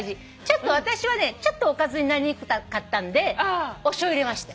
私はちょっとおかずになりにくかったんでおしょうゆ入れました。